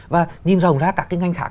và nhìn rồng ra các cái ngành khác